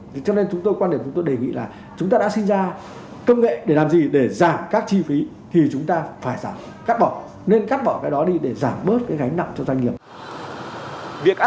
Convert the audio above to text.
điều này cũng góp phần giảm thiểu những khó khăn cho các doanh nghiệp vận tải